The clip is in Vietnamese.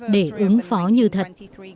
để ứng phó như thật